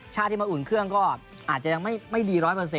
ที่มาอุ่นเครื่องก็อาจจะยังไม่ดี๑๐๐